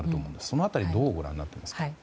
その辺りどうご覧になっていますか？